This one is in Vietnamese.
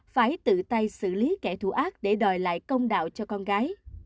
phải tự tay xử lý kẻ thù ác để đòi lại công đạo cho con gái